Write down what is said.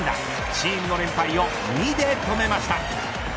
チームの連敗を２で止めました。